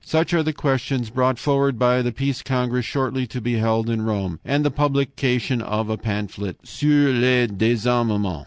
"Such are the questions brought forward by the Peace Congress shortly to be held in Rome, and the publication of a pamphlet, Sur le Désarmement.'